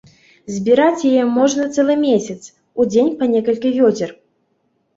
Збіраць яе можна цэлы месяц, у дзень па некалькі вёдзер.